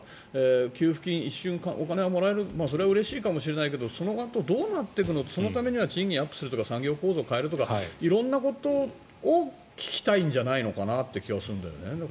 給付金、一瞬お金がもらえるそれはうれしいかもしれないけどそのあとどうなるのそのためには賃金アップするとか産業構造を変えるとか色んなことを聞きたいんじゃないのかなという気がするんだよね。